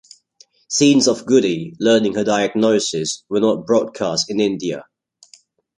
Scenes of Goody learning her diagnosis were not broadcast in India.